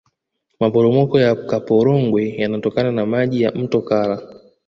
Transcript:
maporomoko ya kaporogwe yanatokana na maji ya mto kala